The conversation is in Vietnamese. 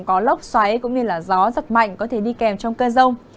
có lốc xoáy cũng như gió giật mạnh có thể đi kèm trong cơn rông